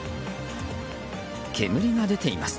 煙が出ています。